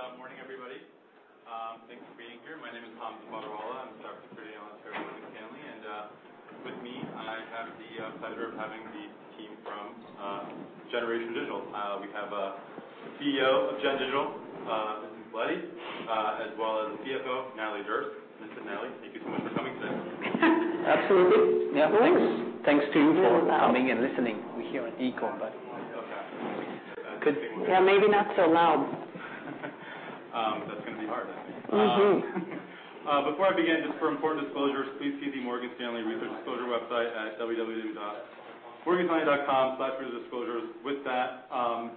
Well, good morning, everybody. Thanks for being here. My name is Hamza Fodderwala. I'm a director pretty much for everyone in the family. With me, I have the pleasure of having the team from Gen Digital. We have CEO of Gen Digital, Vincent Pilette, as well as the CFO, Natalie Derse. Vincent, Natalie, thank you so much for coming today. Absolutely. Thanks. Yeah. Thanks to you for coming and listening. We hear an echo, but- Okay. Good. Yeah, maybe not so loud. That's gonna be hard, I think. Mm-hmm. Before I begin, just for important disclosures, please see the Morgan Stanley research disclosure website at www.morganstanley.com/disclosures. With that, I'll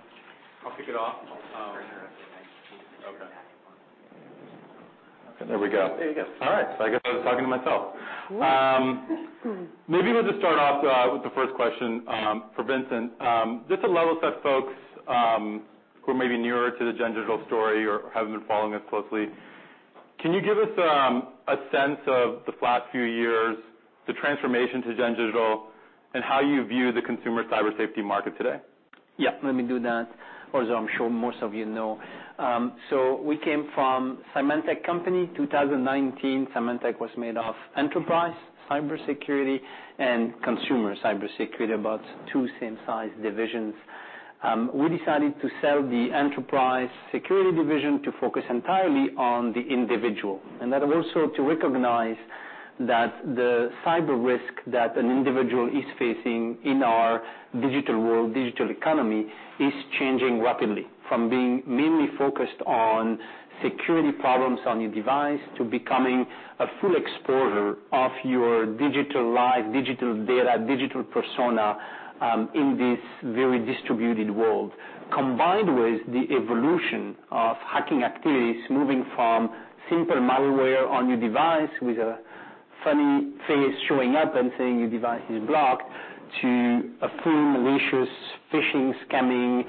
kick it off. Turn it off. Okay. There we go. There you go. All right. I guess I was talking to myself. Woo. Maybe we'll just start off with the first question for Vincent. Just to level set folks who are maybe newer to the Gen Digital story or haven't been following as closely, can you give us a sense of the flat few years, the transformation to Gen Digital, and how you view the consumer Cyber Safety market today? Yeah, let me do that. I'm sure most of you know. We came from Symantec. 2019, Symantec was made of enterprise cybersecurity and consumer cybersecurity, about two same-size divisions. We decided to sell the enterprise security division to focus entirely on the individual, and that also to recognize that the cyber risk that an individual is facing in our digital world, digital economy is changing rapidly from being mainly focused on security problems on your device to becoming a full exposure of your digital life, digital data, digital persona, in this very distributed world. Combined with the evolution of hacking activities, moving from simple malware on your device with a funny face showing up and saying your device is blocked to a full malicious phishing, scamming,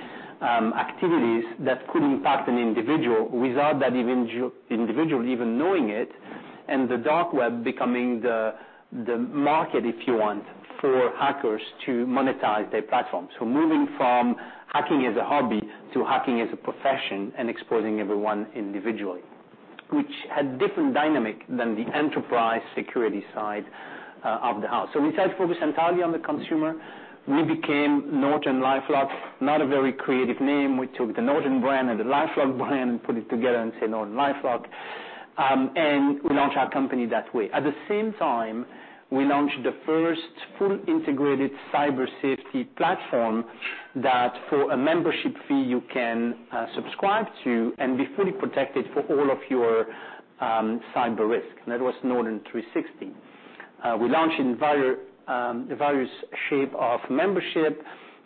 activities that could impact an individual without that individual even knowing it, and the dark web becoming the market, if you want, for hackers to monetize their platform. Moving from hacking as a hobby to hacking as a profession and exposing everyone individually. Which had different dynamic than the enterprise security side of the house. We said focus entirely on the consumer. We became NortonLifeLock, not a very creative name. We took the Norton brand and the LifeLock brand and put it together and say NortonLifeLock. We launched our company that way. At the same time, we launched the first full integrated Cyber Safety platform that for a membership fee you can subscribe to and be fully protected for all of your cyber risk, and that was Norton 360. We launched in various shape of membership.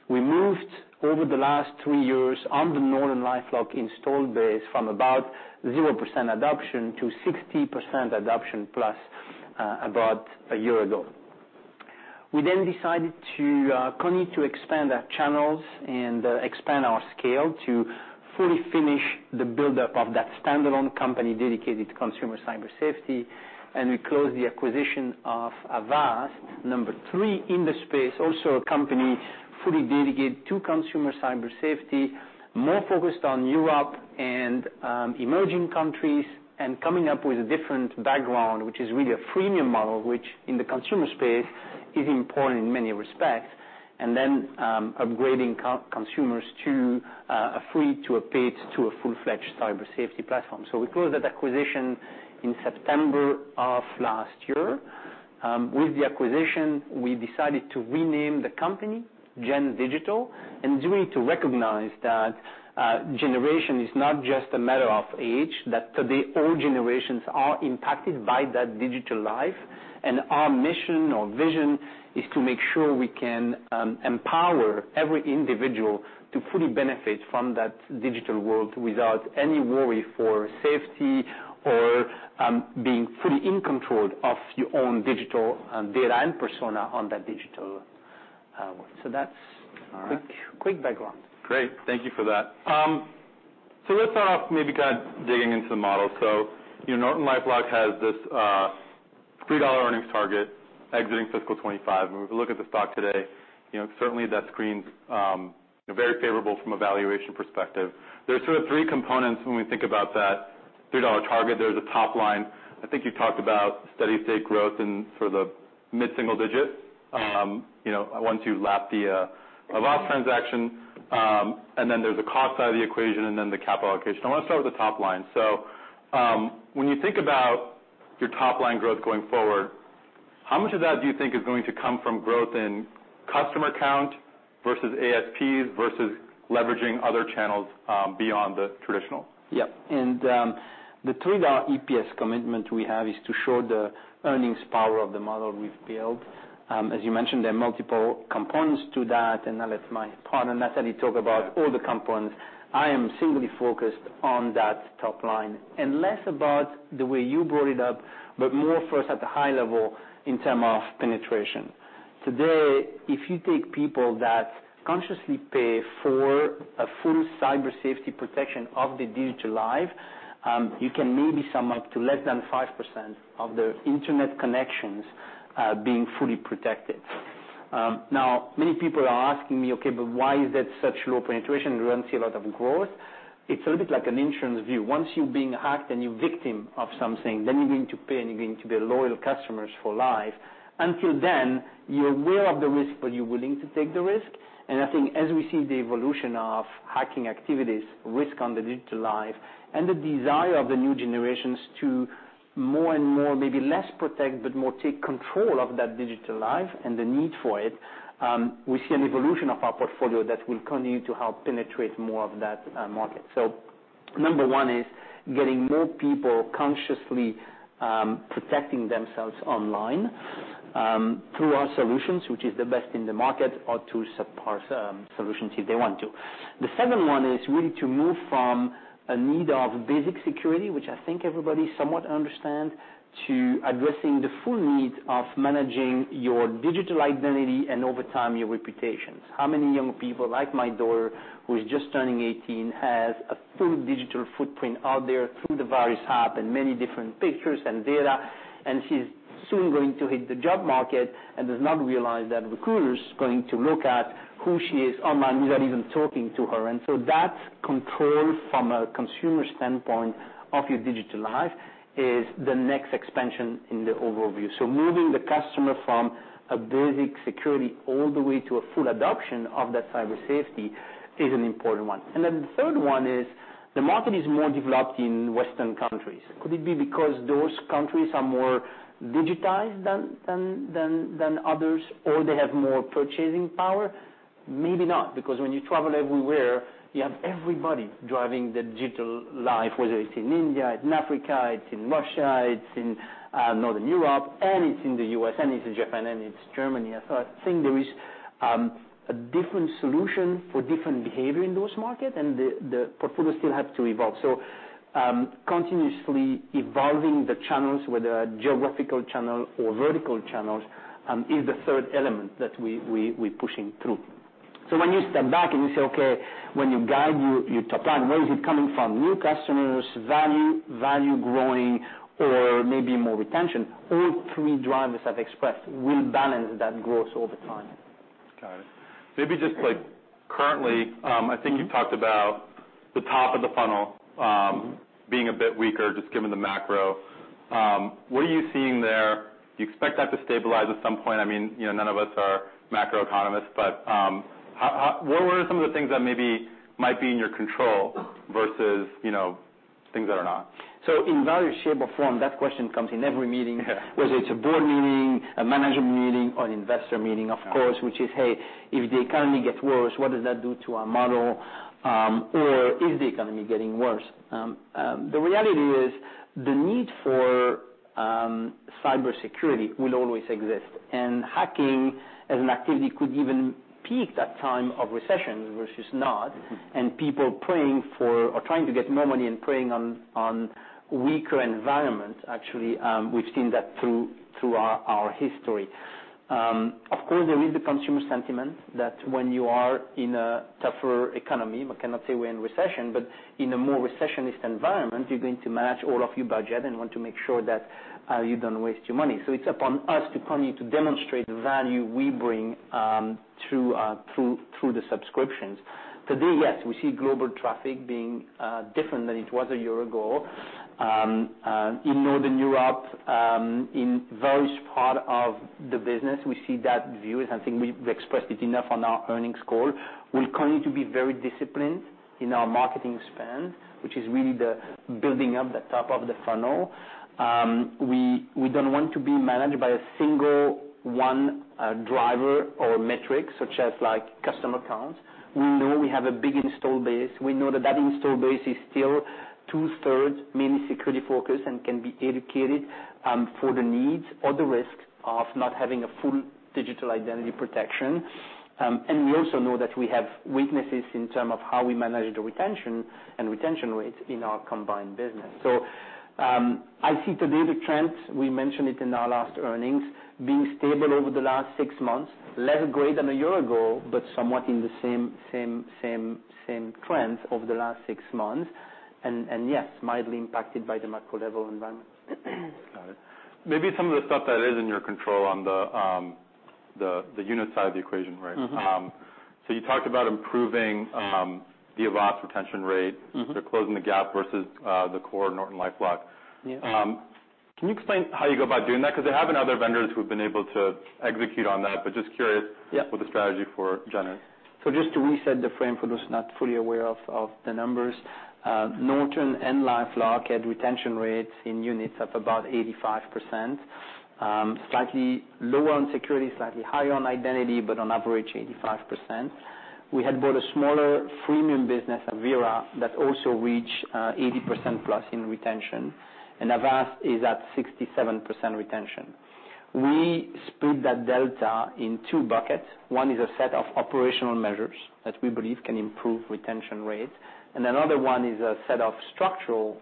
We moved over the last three years on the NortonLifeLock install base from about 0% adoption to 60% adoption plus, about a year ago. We decided to continue to expand our channels and expand our scale to fully finish the buildup of that standalone company dedicated to consumer Cyber Safety, and we closed the acquisition of Avast. Number three in the space, also a company fully dedicated to consumer Cyber Safety, more focused on Europe and emerging countries and coming up with a different background, which is really a freemium model, which in the consumer space is important in many respects. Upgrading co-consumers to a free to a paid to a full-fledged Cyber Safety platform. We closed that acquisition in September of last year. With the acquisition, we decided to rename the company Gen Digital, and it's really to recognize that generation is not just a matter of age, that today all generations are impacted by that digital life. Our mission or vision is to make sure we can empower every individual to fully benefit from that digital world without any worry for safety or being fully in control of your own digital data and persona on that digital world. All right. Quick, quick background. Great. Thank you for that. Let's start off maybe kind of digging into the model. You know, NortonLifeLock has this $3 earnings target exiting Fiscal Year 2025. When we look at the stock today, you know, certainly that screen's, you know, very favorable from a valuation perspective. There are sort of three components when we think about that $3 target. There's a top line. I think you talked about steady state growth in sort of the mid-single digit, you know, once you lap the Avast transaction. There's the cost side of the equation and then the capital allocation. I wanna start with the top line. When you think about your top line growth going forward, how much of that do you think is going to come from growth in customer count versus ASPs versus leveraging other channels beyond the traditional? Yeah. The $3 EPS commitment we have is to show the earnings power of the model we've built. As you mentioned, there are multiple components to that, I'll let my partner, Natalie, talk about all the components. I am singly focused on that top line and less about the way you brought it up, but more for us at the high level in term of penetration. Today, if you take people that consciously pay for a full cyber safety protection of their digital life. You can maybe sum up to less than 5% of the internet connections, being fully protected. Many people are asking me, "Okay, but why is that such low penetration? We don't see a lot of growth." It's a little bit like an insurance view. Once you're being hacked and you're victim of something, then you're going to pay and you're going to be loyal customers for life. Until then, you're aware of the risk, but you're willing to take the risk. I think as we see the evolution of hacking activities, risk on the digital life, and the desire of the new generations to more and more maybe less protect, but more take control of that digital life and the need for it, we see an evolution of our portfolio that will continue to help penetrate more of that market. number one is getting more people consciously protecting themselves online through our solutions, which is the best in the market, or through subpar solutions if they want to. The second one is really to move from a need of basic security, which I think everybody somewhat understand, to addressing the full need of managing your digital identity and over time, your reputations. How many young people, like my daughter, who is just turning 18, has a full digital footprint out there through the various app and many different pictures and data, and she's soon going to hit the job market and does not realize that recruiters going to look at who she is online without even talking to her. That control from a consumer standpoint of your digital life is the next expansion in the overview. Moving the customer from a basic security all the way to a full adoption of that Cyber Safety is an important one. The third one is the market is more developed in Western countries. Could it be because those countries are more digitized than others, or they have more purchasing power? Maybe not, because when you travel everywhere, you have everybody driving the digital life, whether it's in India, it's in Africa, it's in Russia, it's in Northern Europe, and it's in the U.S., and it's in Japan, and it's Germany. I think there is a different solution for different behavior in those market and the portfolio still have to evolve. Continuously evolving the channels, whether a geographical channel or vertical channels, is the third element that we're pushing through. When you step back and you say, "Okay, when you guide your top line, where is it coming from? New customers, value growing or maybe more retention?" All three drivers I've expressed will balance that growth over time. Got it. Maybe just like currently, I think you talked about the top of the funnel, being a bit weaker just given the macro. What are you seeing there? Do you expect that to stabilize at some point? I mean, you know, none of us are macroeconomists, but, how what are some of the things that maybe might be in your control versus, you know, things that are not? In value, shape, or form, that question comes in every meeting. Yeah. Whether it's a board meeting, a management meeting, or an investor meeting, of course, which is, "Hey, if the economy gets worse, what does that do to our model? Or is the economy getting worse?" The reality is the need for cybersecurity will always exist. Hacking as an activity could even peak that time of recession versus not, and people praying for or trying to get more money and preying on weaker environments. Actually, we've seen that through our history. Of course, there is the consumer sentiment that when you are in a tougher economy, we cannot say we're in recession, but in a more recessionist environment, you're going to manage all of your budget and want to make sure that you don't waste your money. It's upon us to continue to demonstrate the value we bring through the subscriptions. Today, yes, we see global traffic being different than it was a year ago. In Northern Europe, in various part of the business, we see that view, as I think we've expressed it enough on our earnings call. We'll continue to be very disciplined in our marketing spend, which is really the building up the top of the funnel. We don't want to be managed by a single one driver or metric, such as like customer counts. We know we have a big install base. We know that that install base is still two-thirds mainly security focused and can be educated for the needs or the risks of not having a full digital identity protection. We also know that we have weaknesses in terms of how we manage the retention and retention rates in our combined business. I see today the trends, we mentioned it in our last earnings, being stable over the last six months, less great than one year ago, but somewhat in the same trends over the last six months. Yes, mildly impacted by the macro-level environment. Got it. Maybe some of the stuff that is in your control on the unit side of the equation, right? Mm-hmm. You talked about improving, the Avast retention rate. Mm-hmm. Closing the gap versus, the core NortonLifeLock. Yeah. Can you explain how you go about doing that? They have been other vendors who've been able to execute on that, but just curious. Yeah. What the strategy for Gen? Just to reset the frame for those not fully aware of the numbers, Norton and LifeLock had retention rates in units of about 85%. Slightly lower on security, slightly higher on identity, but on average 85%. We had bought a smaller freemium business, Avira, that also reached 80%+ in retention. Avast is at 67% retention. We split that delta in two buckets. One is a set of operational measures that we believe can improve retention rates. Another one is a set of structural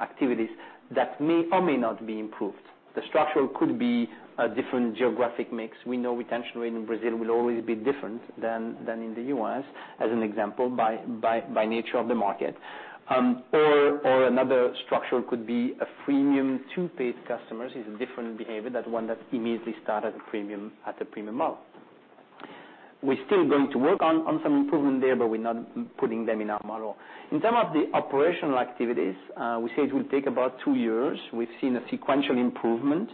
activities that may or may not be improved. The structural could be a different geographic mix. We know retention rate in Brazil will always be different than in the U.S. As an example by nature of the market. Or another structure could be a premium to paid customers is a different behavior than one that immediately start at a premium model. We're still going to work on some improvement there, but we're not putting them in our model. In terms of the operational activities, we say it will take about two years. We've seen a sequential improvement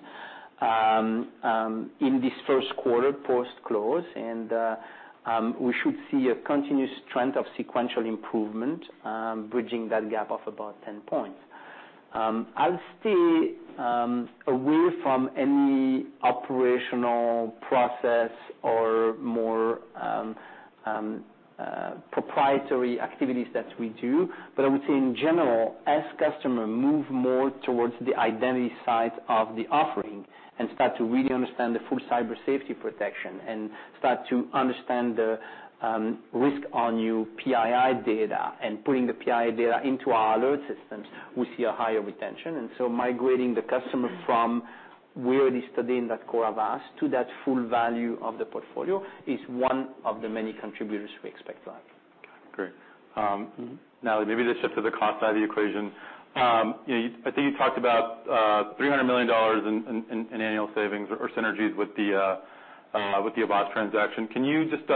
in this first quarter post-close. We should see a continuous trend of sequential improvement bridging that gap of about 10 points. I'll stay away from any operational process or more proprietary activities that we do. I would say in general, as customer move more towards the identity side of the offering and start to really understand the full Cyber Safety protection and start to understand the risk on new PII data and putting the PII data into our alert systems, we see a higher retention. Migrating the customer from we already studying that core of Avast to that full value of the portfolio is one of the many contributors we expect to have. Got it. Great. Now maybe this shifts to the cost side of the equation. You know, I think you talked about $300 million in annual savings or synergies with the Avast transaction. Can you just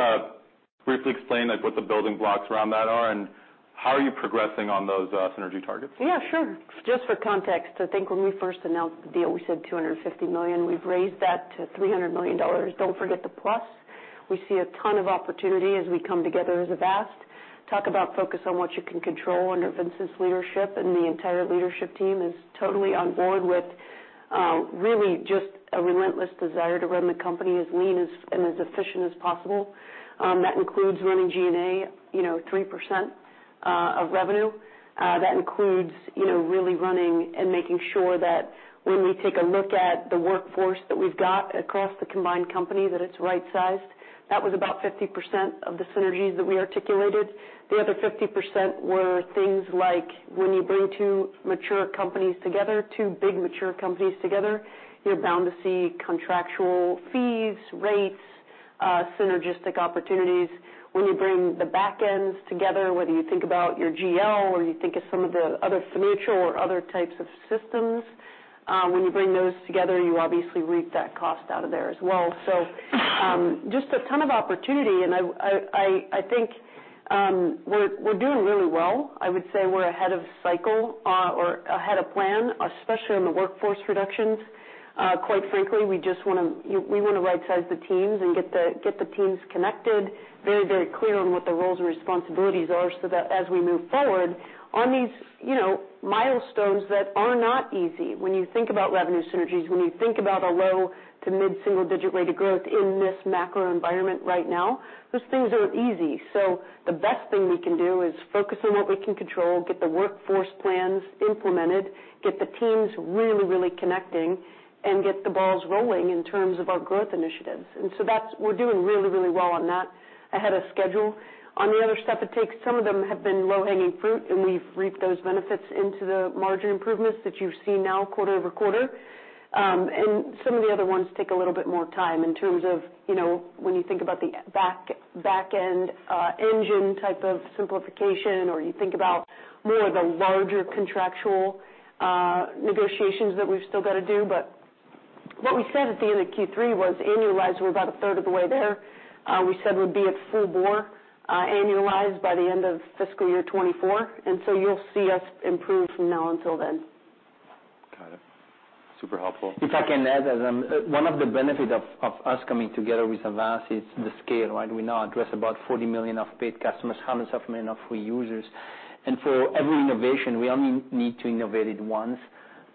briefly explain, like, what the building blocks around that are, and how are you progressing on those synergy targets? Sure. Just for context, I think when we first announced the deal, we said $250 million. We've raised that to $300 million. Don't forget the plus. We see a ton of opportunity as we come together as Avast. Talk about focus on what you can control under Vincent's leadership, and the entire leadership team is totally on board with really just a relentless desire to run the company as lean as, and as efficient as possible. That includes running G&A, you know, 3% of revenue. That includes, you know, really running and making sure that when we take a look at the workforce that we've got across the combined company, that it's right-sized. That was about 50% of the synergies that we articulated. The other 50% were things like when you bring two mature companies together, two big mature companies together, you're bound to see contractual fees, rates, synergistic opportunities. When you bring the back ends together, whether you think about your GL or you think of some of the other financial or other types of systems, when you bring those together, you obviously reap that cost out of there as well. Just a ton of opportunity. I think, we're doing really well. I would say we're ahead of cycle or ahead of plan, especially on the workforce reductions. Quite frankly, we wanna right-size the teams and get the teams connected very clear on what the roles and responsibilities are, so that as we move forward on these, you know, milestones that are not easy. When you think about revenue synergies, when you think about a low- to mid-single-digit rate of growth in this macro environment right now, those things aren't easy. The best thing we can do is focus on what we can control, get the workforce plans implemented, get the teams really connecting, and get the balls rolling in terms of our growth initiatives. That's we're doing really well on that ahead of schedule. On the other stuff it takes, some of them have been low-hanging fruit, and we've reaped those benefits into the margin improvements that you've seen now quarter-over-quarter. Some of the other ones take a little bit more time in terms of, you know, when you think about the back-end engine type of simplification, or you think about more of the larger contractual negotiations that we've still gotta do. What we said at the end of Q3 was, annualized, we're about a third of the way there. We said we'd be at full bore, annualized by the end of Fiscal Year 2024, you'll see us improve from now until then. Got it. Super helpful. If I can add, one of the benefit of us coming together with Avast is the scale, right? We now address about 40 million of paid customers, hundreds of million of free users. For every innovation, we only need to innovate it once.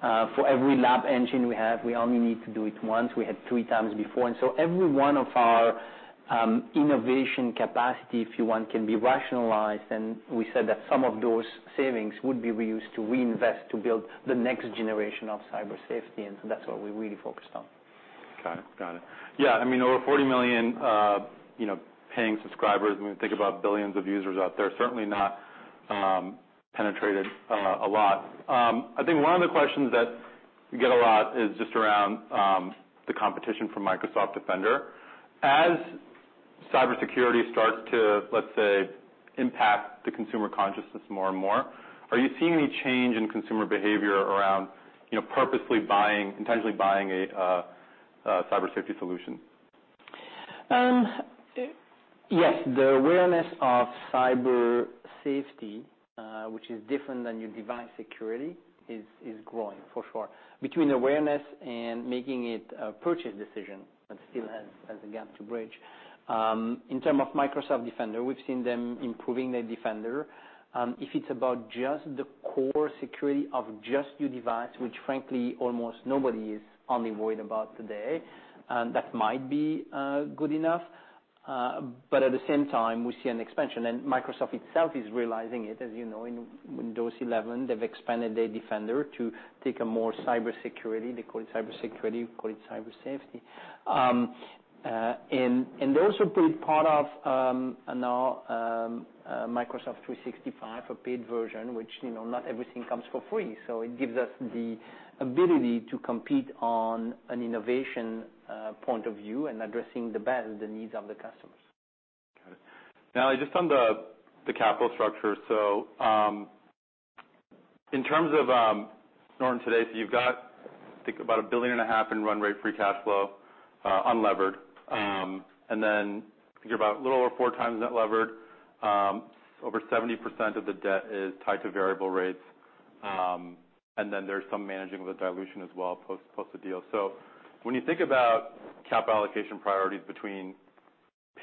For every lab engine we have, we only need to do it once. We had 3 times before. Every one of our innovation capacity, if you want, can be rationalized, and we said that some of those savings would be reused to reinvest to build the next generation of Cyber Safety, and so that's what we're really focused on. Got it. I mean, over 40 million, you know, paying subscribers, when we think about billions of users out there, certainly not penetrated a lot. I think one of the questions that we get a lot is just around the competition from Microsoft Defender. As cybersecurity starts to, let's say, impact the consumer consciousness more and more, are you seeing any change in consumer behavior around, you know, purposely buying, intentionally buying a Cyber Safety solution? Yes. The awareness of Cyber Safety, which is different than your device security, is growing for sure. Between awareness and making it a purchase decision, that still has a gap to bridge. In term of Microsoft Defender, we've seen them improving their Defender. If it's about just the core security of just your device, which frankly almost nobody is only worried about today, that might be good enough. At the same time, we see an expansion, and Microsoft itself is realizing it. As you know, in Windows 11, they've expanded their Defender to take a more cybersecurity. They call it cybersecurity, we call it Cyber Safety. Those are big part of Microsoft 365, a paid version, which, you know, not everything comes for free. It gives us the ability to compete on an innovation, point of view and addressing the best, the needs of the customers. Got it. Just on the capital structure. In terms of Norton today, you've got, I think, about $1.5 billion in run rate free cash flow, unlevered. I think you're about a little over 4x net levered. Over 70% of the debt is tied to variable rates. There's some managing of the dilution as well post the deal. When you think about capital allocation priorities between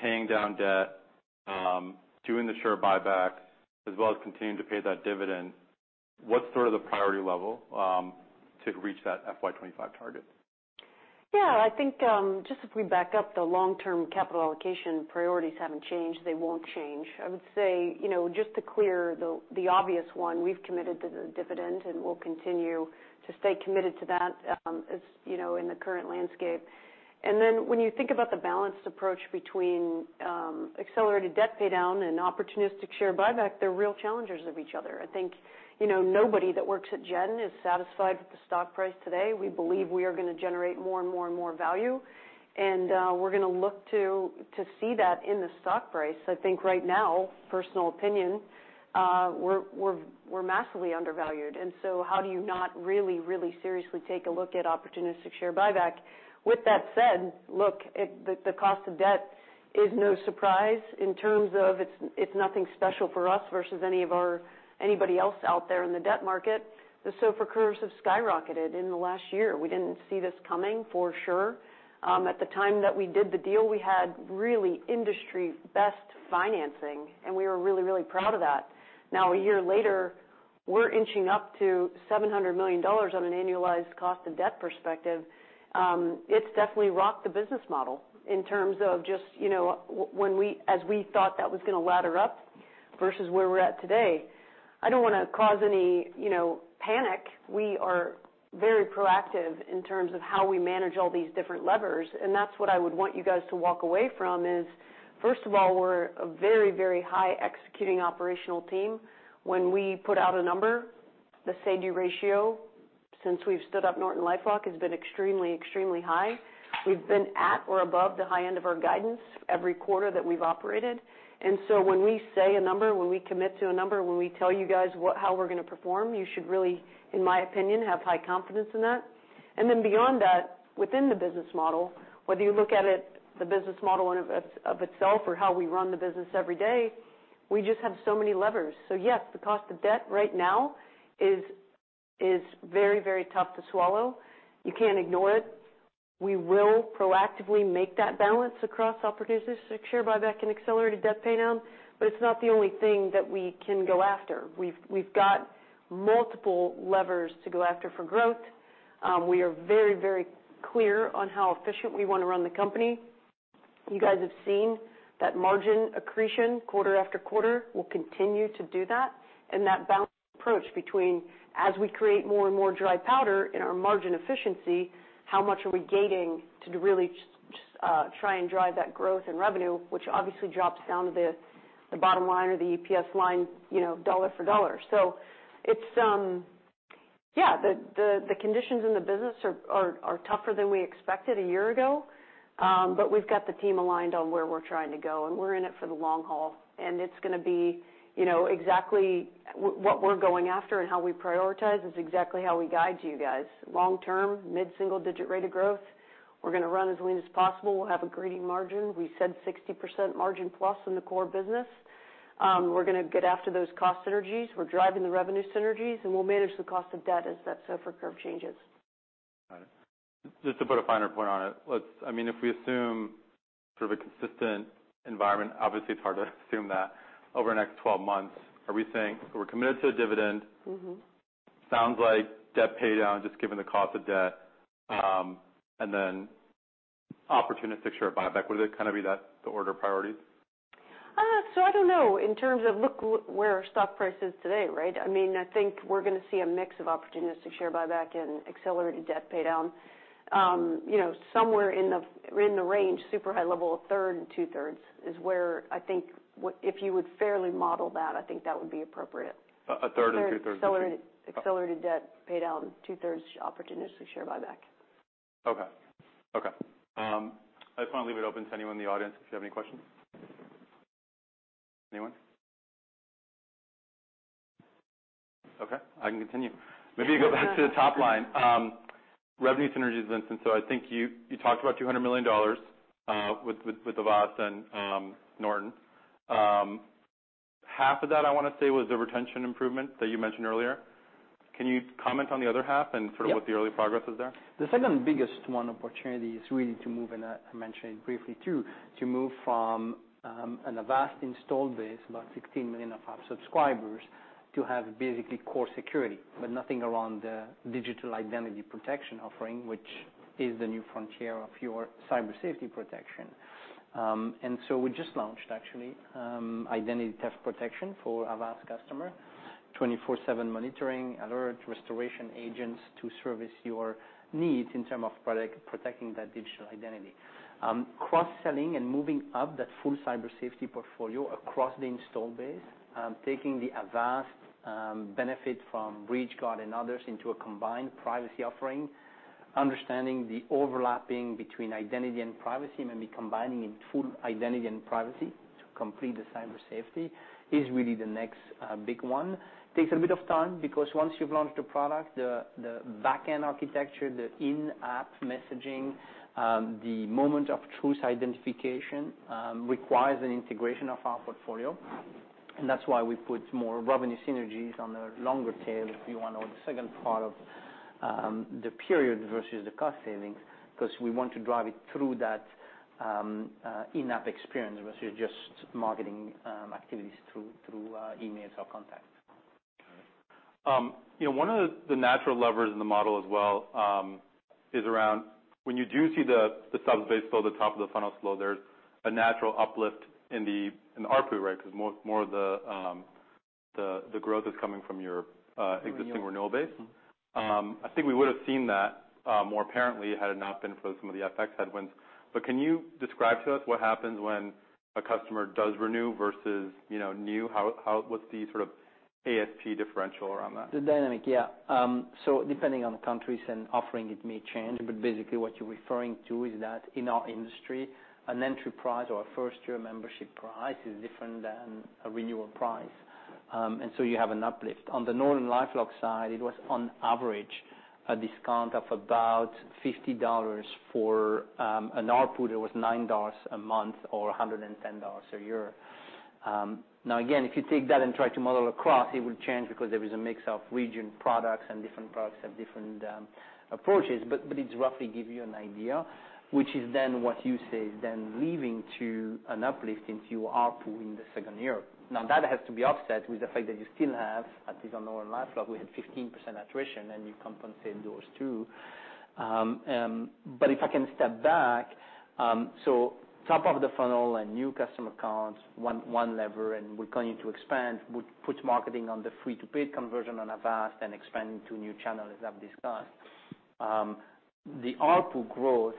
paying down debt, doing the share buyback, as well as continuing to pay that dividend, what's sort of the priority level to reach that FY 2025 target? Yeah, I think, just if we back up, the long-term capital allocation priorities haven't changed. They won't change. I would say, you know, just to clear the obvious one, we've committed to the dividend, and we'll continue to stay committed to that, as, you know, in the current landscape. When you think about the balanced approach between accelerated debt paydown and opportunistic share buyback, they're real challengers of each other. I think, you know, nobody that works at Gen is satisfied with the stock price today. We believe we are gonna generate more and more and more value. We're gonna look to see that in the stock price. I think right now, personal opinion, we're massively undervalued. How do you not really seriously take a look at opportunistic share buyback? With that said, look, the cost of debt is no surprise in terms of it's nothing special for us versus anybody else out there in the debt market. The SOFR curves have skyrocketed in the last year. We didn't see this coming, for sure. At the time that we did the deal, we had really industry-best financing, and we were really, really proud of that. Now a year later, we're inching up to $700 million on an annualized cost of debt perspective. It's definitely rocked the business model in terms of just, you know, as we thought that was gonna ladder up versus where we're at today. I don't wanna cause any, you know, panic. We are very proactive in terms of how we manage all these different levers, and that's what I would want you guys to walk away from is, first of all, we're a very, very high executing operational team. When we put out a number, the SGI ratio, since we've stood up NortonLifeLock, has been extremely high. We've been at or above the high end of our guidance every quarter that we've operated. When we say a number, when we commit to a number, when we tell you guys how we're gonna perform, you should really, in my opinion, have high confidence in that. Beyond that, within the business model, whether you look at it, the business model in of itself or how we run the business every day, we just have so many levers. Yes, the cost of debt right now is very, very tough to swallow. You can't ignore it. We will proactively make that balance across opportunistic share buyback and accelerated debt paydown, but it's not the only thing that we can go after. We've got multiple levers to go after for growth. We are very, very clear on how efficient we wanna run the company. You guys have seen that margin accretion quarter after quarter will continue to do that. That balanced approach between as we create more and more dry powder in our margin efficiency, how much are we gating to really just try and drive that growth in revenue, which obviously drops down to the bottom line or the EPS line, you know, dollar for dollar. It's, yeah, the conditions in the business are tougher than we expected a year ago, but we've got the team aligned on where we're trying to go, and we're in it for the long haul. It's gonna be, you know, exactly what we're going after and how we prioritize is exactly how we guide you guys. Long term, mid-single digit rate of growth. We're gonna run as lean as possible. We'll have a greedy margin. We said 60% margin plus in the core business. We're gonna get after those cost synergies. We're driving the revenue synergies, and we'll manage the cost of debt as that SOFR curve changes. Got it. Just to put a finer point on it, I mean, if we assume sort of a consistent environment, obviously it's hard to assume that, over the next 12 months, are we saying we're committed to a dividend? Mm-hmm. Sounds like debt paydown, just given the cost of debt, and then opportunistic share buyback. Would it kind of be that the order of priorities? I don't know. In terms of where our stock price is today, right? I mean, I think we're gonna see a mix of opportunistic share buyback and accelerated debt paydown. You know, somewhere in the, in the range, super high level, a third and two-thirds is where I think if you would fairly model that, I think that would be appropriate. A, third and two-thirds Accelerated debt paydown, two-thirds opportunistic share buyback. Okay. Okay. I just wanna leave it open to anyone in the audience if you have any questions. Anyone? Okay, I can continue. Maybe go back to the top line. revenue synergies, Vincent, I think you talked about $200 million with Avast and Norton. half of that I wanna say was the retention improvement that you mentioned earlier. Can you comment on the other half and sort of what the early progress is there? The second biggest one opportunity is really to move, and I mentioned it briefly too, to move from an Avast install base, about 16 million of our subscribers, to have basically core security, but nothing around the digital identity protection offering, which is the new frontier of your Cyber Safety protection. We just launched actually identity theft protection for Avast customer. 24/7 monitoring, alert restoration agents to service your needs in term of product, protecting that digital identity. Cross-selling and moving up that full Cyber Safety portfolio across the install base, taking the Avast benefit from BreachGuard and others into a combined privacy offering. Understanding the overlapping between identity and privacy, maybe combining in full identity and privacy to complete the Cyber Safety is really the next big one. Takes a bit of time because once you've launched the product, the backend architecture, the in-app messaging, the moment of truth identification, requires an integration of our portfolio. That's why we put more revenue synergies on the longer tail, if you want, or the second part of the period versus the cost savings, 'cause we want to drive it through that in-app experience versus just marketing activities through emails or contact. Okay. You know, one of the natural levers in the model as well, is around when you do see the subs base slow, the top of the funnel slow, there's a natural uplift in the ARPU, right? 'Cause more of the growth is coming from your. Renewal... existing renewal base. I think we would've seen that more apparently had it not been for some of the FX headwinds. Can you describe to us what happens when a customer does renew versus, you know, new? How what's the sort of ASP differential around that? The dynamic, yeah. Depending on the countries and offering, it may change. Basically what you're referring to is that in our industry, an entry price or a first-year membership price is different than a renewal price. You have an uplift. On the NortonLifeLock side, it was on average a discount of about $50 for an ARPU that was $9 a month or $110 a year. Again, if you take that and try to model across, it will change because there is a mix of region products and different products have different approaches. It's roughly give you an idea, which is what you say is leading to an uplift in your ARPU in the second year. That has to be offset with the fact that you still have, at least on NortonLifeLock, we had 15% attrition, and you compensate those too. If I can step back, top of the funnel and new customer accounts, one lever, and we're going to expand, would put marketing on the free to paid conversion on Avast and expanding to new channels, as I've discussed. The ARPU growth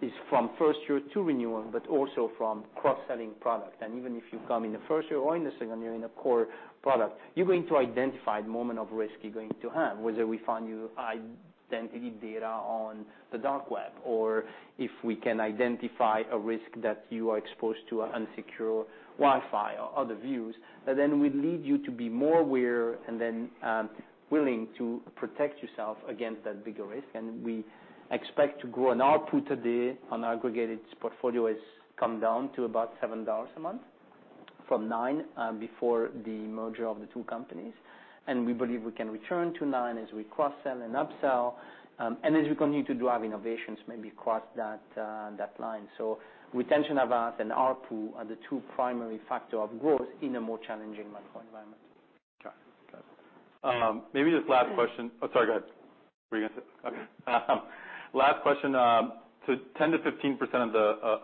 is from first year to renewal, also from cross-selling product. Even if you come in the first year or in the second year in a core product, you're going to identify the moment of risk you're going to have, whether we find you identity data on the dark web, or if we can identify a risk that you are exposed to an unsecure Wi-Fi or other views. We lead you to be more aware and then willing to protect yourself against that bigger risk. We expect to grow an ARPU today, on aggregated portfolio, has come down to about $7 a month from $9 before the merger of the two companies. We believe we can return to $9 as we cross-sell and upsell and as we continue to drive innovations maybe across that line. Retention Avast and ARPU are the two primary factor of growth in a more challenging macro environment. Got it. Got it. Maybe just last question. Oh, sorry, go ahead. Were you gonna say... Okay. Last question. 10%-15%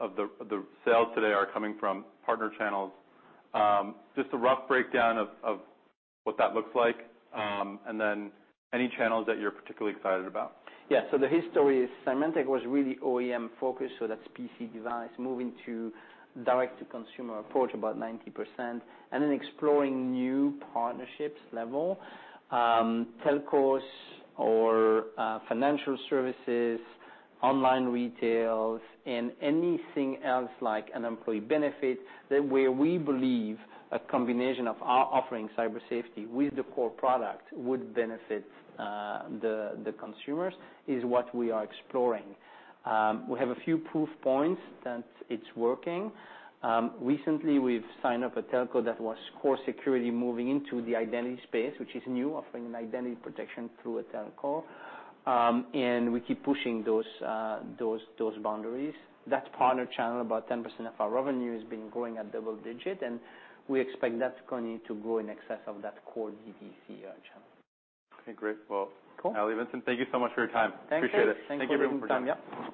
of the sales today are coming from partner channels. Just a rough breakdown of what that looks like, any channels that you're particularly excited about? Yeah. The history is Symantec was really OEM focused, so that's PC device, moving to direct to consumer approach about 90% and then exploring new partnerships level, telcos or financial services, online retails, and anything else like an employee benefit that where we believe a combination of our offering Cyber Safety with the core product would benefit the consumers is what we are exploring. Recently we've signed up a telco that was core security moving into the identity space, which is new, offering an identity protection through a telco. We keep pushing those boundaries. That partner channel, about 10% of our revenue, has been growing at double digit, and we expect that's going to grow in excess of that core D2C channel. Okay, great. Cool. Well, Vincent Pilette, thank you so much for your time. Thank you. Appreciate it. Thanks for the good time. Yeah.